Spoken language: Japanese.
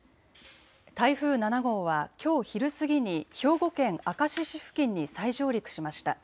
台風７号はきょう昼過ぎに兵庫県明石市付近に再上陸しました。